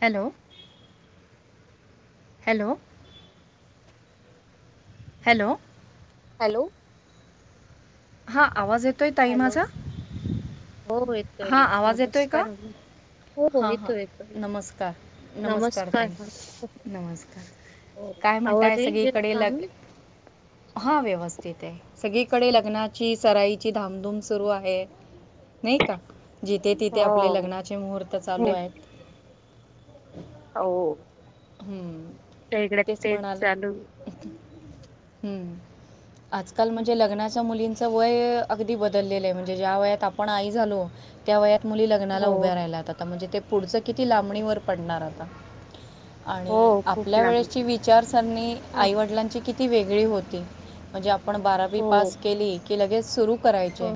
Hello hello hello hello हा आवाज येत हॅलो हो येतो नमस्कार हो हा हां येतो येतोय नमस्कार नमस्कार ताई नमस्कार हो काय म्हणताय आवरली जे सगळीकडे काम लग हा व्यवस्थित आहे. सगळीकडे लग्नाची सराईची धामधूम सुरू आहे नाही का जिथे तिथे आपले हो लग्नाचे मुहूर्त चालू हे- आहेत. हो हम्म त्या इकडे तेच चालू हम्म आजकाल म्हणजे लग्नाच्या मुली चं वय अगदी बदललेलं आहे म्हणजे ज्या वयात आपण आई झालो त्या वयात मुली लग्नाला हो उभ्या राहिल्यात आता म्हणजे ते पुढचं किती लांबणीवर पडणार आता आणि हो खूप आपल्या लांब वेळेची विचारसरणी हा आईवडिलांची किती ती वेगळी होती म्हणजे आपण बारावी हो पास केली की लगेच सुरू हो करायचे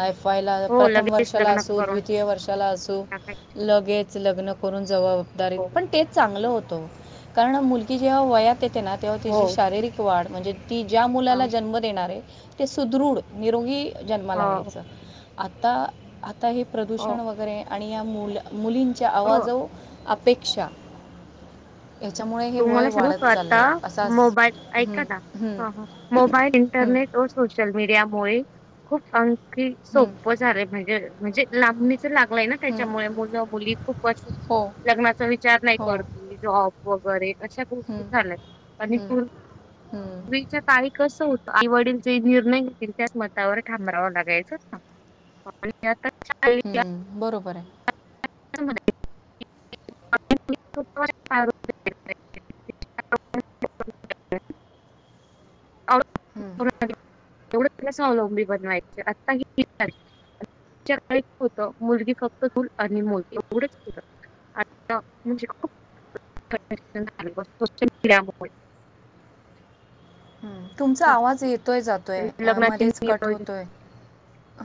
आयफाय ला हो प्रथम लगेच वर्षाला लग्न असू करून द्वितीय वर्षाला असू टाकाय लगेच लग्न करून जबाबदारीत हो पण तेच चांगलं होतं कारण मुलगी जेव्हा वयात येते ना तेव्हा हो तिची शारीरिक वाढ म्हणजे ती ज्या मुलाला हो जन्म देणार आहे ते सुदृढ निरोगी जन्माला यायचं आता आता हे हो प्रदूषण वगैरे आणि या मुला मुलींच्या हो आवाजो आपेक्षा तुम्हाला सांगू वाढत का चाललं आता आहे असाच मोबाईल ऐका हं, ना हं, हा हा मोबाईल हं, इंटरनेट सोशल मीडियामुळे खूप आणखी हं, सोपं झालं म्हणजे म्हणजे लां लागलंय ना हं. त्याच्यामुळे मुलं मुली खूप वर हो लग्नाचा विचार नाही हो करती जॉब वाॅब बरेच अशा गोष्टी हं, झाल्यात आणि हं, हं, पूर्वीच्या काळी कसं होतं आई वडील जे निर्णय घेतील त्याच मतावर ठाम रावाव लागायच ना आ हम्म बरोबर आहे [unintelligible] [unintelligible] हं, एवढं स्वावलंबी बनवायचे आता ही पूर्वीच्या काळी होतं मुलगी फक्त चुल आणि मुल एवढेच फक्त आता म्हणजे खूप [unintelligible] हम् तुमचा ना. आवाज येतोय जातोय लग्नाचे मध्येेच कट नियोजन होतोय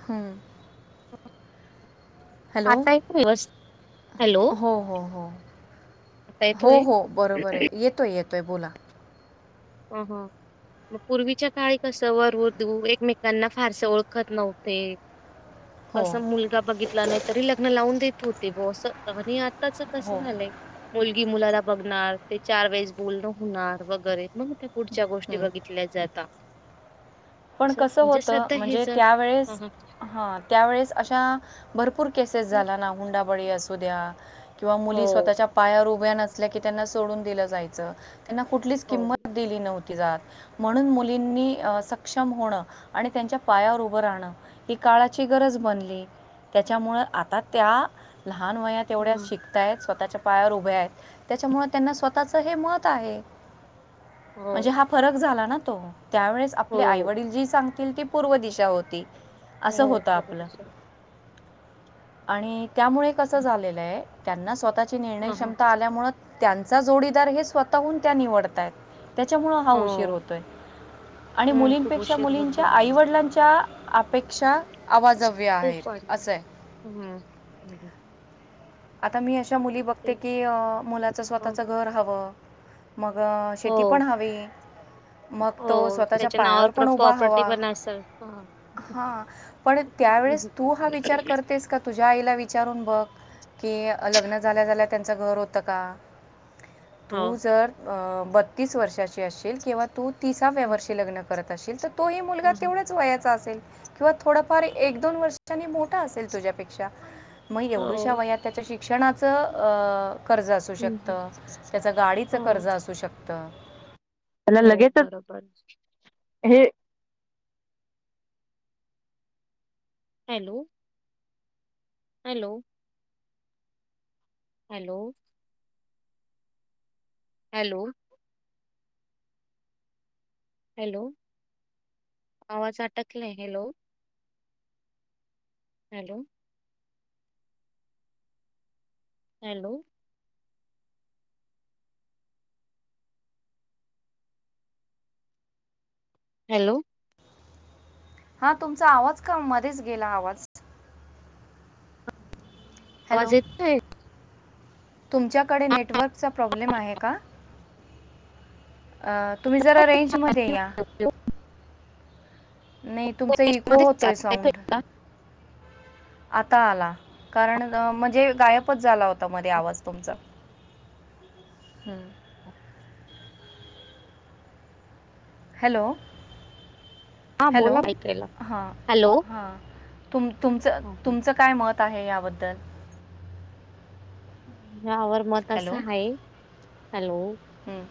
हम आता येतो व्यवस्थित हॅलो हो हो हो आता हो येतोय हो बरोबर आहे येतोय येतोय बोला हंम हंम मग पूर्वीच्या काळी कसं वर- वदु एकमेकांना फारस ओळखत नव्हते हो कस मुलगा बघितला नाही तरी लग्न लावून देत होते बो अस आणि आत च कस हो झालंय मुलगी मुलाला बघणार ते चार वेळेस बोलणं होणार वगैरे मग त्या पुढच्या गोष्टी हं. बघितल्या जाता. पण कस होत सध्या म्हणजे हेच हा त्यावेळेस हा त्यावेळेस अशा भरपूर केसेस हा झाल्या ना हुंडा बळी असू द्या किंवा हो मुलीच स्वतःच्या पायावर उ उभ्या नसल्या की त्यांना सोडून दिलं जायचं त्यांना कुठलीच हो किंमत दिली नव्ह जात म्हणून मुलींनी अंस सक्षम होण आणि त्यांच्या पायावर उभं राहणं ही काळाची गरज बनली. त्याच्यामुळं आता त्या लहान वयात तेवढ्या हं, शिकतायत स्वतःच्या पायावर उभे आहेत त्याच्यामुळे त्यांना स्वतःच हे मत आहे. हो म्हणजे हा फरक झाला ना तो त्यावेळेस आपले आई- हो वडील जी सांग ती पूर्व दिशा होती असं हो होत आपलं प्रदूषण आणि त्यामुळे कसं झालेलं आहे त्यांना स्वतःची निर्णय हां, हां, क्षमता आल्यामुळं त्यांचा जोडीदार हे स्वतःहून त्या निवडतायेत त्याच्यामुळे हा उशीर हो होतोय आणि हं, खूप मुलींपेक्षा उशीर मुलींच्या होतोय. आईवडिलांच्या त्या अपेक्षा आवाजव्य खूप आहेत वाढल्या असं आहे हम्म. आता मी अशा मुली बघते की मुलाचा हो, स्वतःच घर हवं मगं हो, शेती पण हवी मग तो हो स्वतःच्या त्याच्या नावावर पायावर प्र पण उभा प्रॉपर्टी हवा. पण असेल. हां. हा पण त्यावेळेस तू हा विचार करतेस का तुझ्या आईला विचारून बघ की लग्न झाल्या झाल्या त्यांचं घर होतं का? हो, तू जर अ बत्तीस वर्षाची असशील किंवा तू तिसाव्या हं, वर्षी लग्न करत असशील तर तोही मुलगा हां, हां, तेवढाच वयाचा असेल किंवा थोडफार एक दोन वर्षानी मोठा असेल तुझ्यापेक्षा मग एवढुशा हो, वयात शिक्षणाचा अ कर्जा असू हं, हं, शकतं, त्याचं गाडीचं हो, कर्जा असू शकतं त्याला हो लगेचच बरोबर. हे hello hello hello hello hello आवाज अटकलाय हॅलो. हॅलो हॅलो हॅलो हा तुमचा आवाज का मध्येच गेला आवाज आवाज हॅलो. येतोय तुमच्याकडे नेटवर्कचा प्रॉब्लेम आहे का? अ तुम्ही जरा रेंजमध्ये या. नाही तुमचा इको होतोय साऊंड. मध्ये आता आला कारण म्हणजे गायबच झाला होता मध्ये आवाज तुमचा. हम्म. हॅलो हा हॅलो बोला ऐकायला हां हॅलो हां. तुम तुमचा अहो, तुमचा काय मत आहे याबद्दल? यावर मत हॅलो असं आहे हॅलो हं,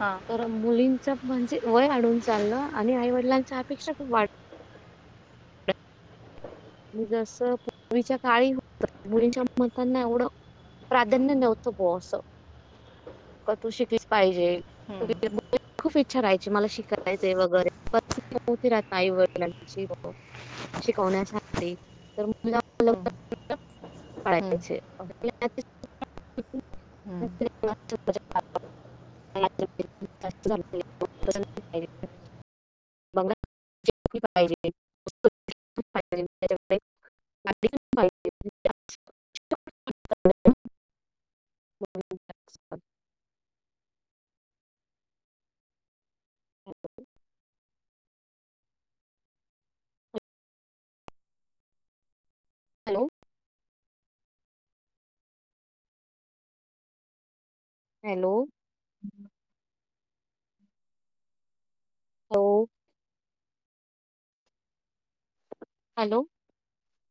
हां तर मुलींच म्हणजे वय अढून चाललं आणि आईवडिलांच्या अपेक्षा खूप वाढ जसं पूर्वीच्या काळी होता मुलींच्या मतांना एवढं प्राधान्य नव्हतं ब असं का तू शिकलीस पाहिजे. तू गेली- हम्म. मुलींची खूप इच्छा राहायची मला शिकायचे वगैरे परिस्थिती नव्हती [inaudible] आई वडिलांची हो. शिकवण्यासाठी तर मुलगा. हं, हं, हं. [inaudible] [inaudible] [inaudible] [inaudible] [unintelligible] [unintelligible] [inaudible] हॅलो हॅलो हो. हॅलो